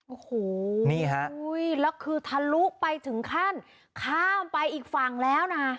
โอ้โหนี่ฮะแล้วคือทะลุไปถึงขั้นข้ามไปอีกฝั่งแล้วนะ